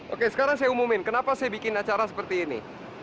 oke sekarang saya umumin kenapa saya bikin acara seperti ini